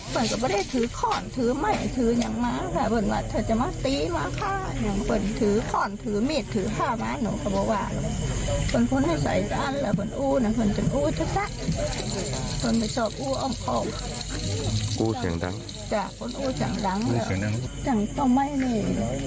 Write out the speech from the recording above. ตัดทางปืนเอ้าเดียนเดียวกันถ้าหนูนึกมาจะได้